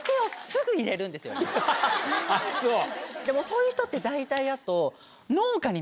そういう人って大体あと。